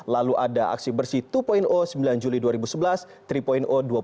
lalu ada aksi bersih dua sembilan juli dua ribu sebelas tiga puluh